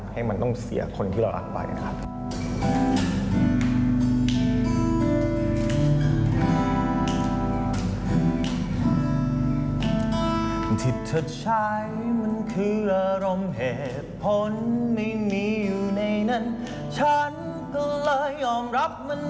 ให้มันต้องเสียคนที่เรารักไปนะครับ